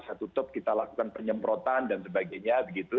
saya tutup kita lakukan penyemprotan dan sebagainya begitu